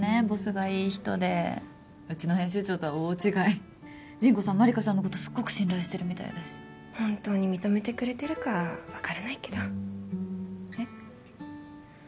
ボスがいい人でうちの編集長とは大違いジンコさんマリカさんのことすっごく信頼してるみたいだし本当に認めてくれてるか分からないけどえっ？